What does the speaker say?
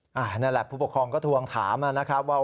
นั่นแหละผู้ปกครองก็ทวงถามนะครับว่า